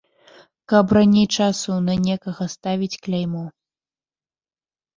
Каб раней часу на некага ставіць кляймо.